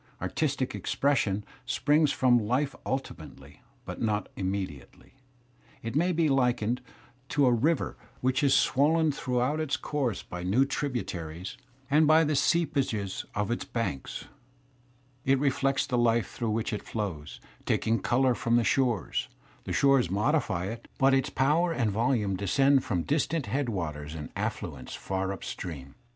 Artistic expression springs from life ultimately but not immediately. It may be likened to a 3 life J Digitized by Google H 4 THE SPIRIT OF AMERICAN LITERATURE \uf< river which is swollen throughout its course by new tribu taries and by the seepages of its banks; it reflects the life through which it flows, taking colour from the shores; the . shores modify it, but its power and volume descend from ^ distant headwaters and affluents far up stream.